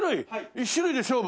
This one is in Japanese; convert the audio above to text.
１種類で勝負。